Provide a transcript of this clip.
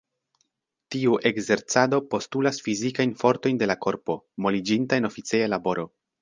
Tiu ekzercado postulas fizikajn fortojn de la korpo, moliĝinta en oficeja laboro.